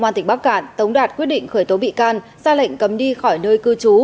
công an tỉnh bắc cạn tống đạt quyết định khởi tố bị can ra lệnh cấm đi khỏi nơi cư trú